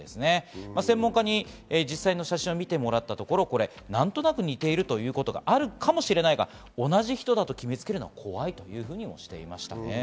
専門家に実際の写真を見てもらったところ、何となく似ているということがあるかもしれないが、同じ人だと決め付けるのは怖いとおっしゃっています。